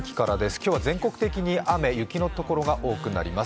今日は全国的に雨雪のところが多くなります。